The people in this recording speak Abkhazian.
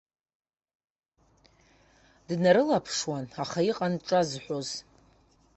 Днарылаԥшуан, аха иҟан дҿазҳәоз.